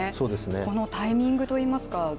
このタイミングといいますか。